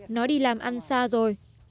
nó đi làm ăn xa rồi